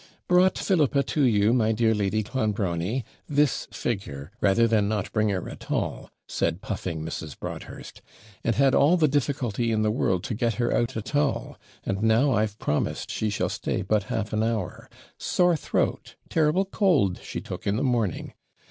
'Brought Philippa to you, my dear Lady Clonbrony, this figure, rather than not bring her at all,' said puffing Mrs. Broadhurst; 'and had all the difficulty in the world to get her out at all, and now I've promised she shall stay but half an hour. Sore throat terrible cold she took in the morning.